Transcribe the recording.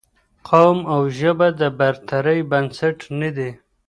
قوم او ژبه د برترۍ بنسټ نه دي